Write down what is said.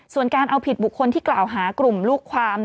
ส่วนการเอาผิดบุคคลที่กล่าวหากลุ่มลูกความ